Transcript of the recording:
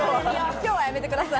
今日はやめてください。